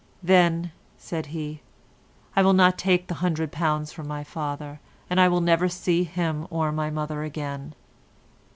"Then," said he, "I will not take the £100 from my father, and I will never see him or my mother again."